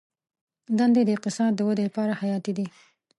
دندې د اقتصاد د ودې لپاره حیاتي دي.